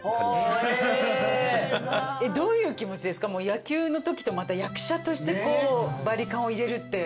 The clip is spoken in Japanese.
野球のときとまた役者としてこうバリカンを入れるって。